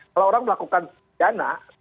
kalau orang melakukan pidana